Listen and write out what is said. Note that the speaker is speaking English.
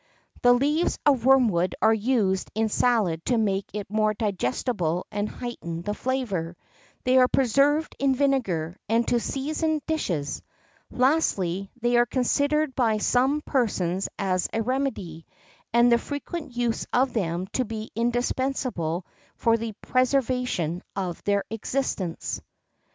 "The leaves of wormwood are used in salad to make it more digestible and heighten the flavour. They are preserved in vinegar, and to season dishes. Lastly, they are considered by some persons as a remedy, and the frequent use of them to be indispensable for the preservation of their existence."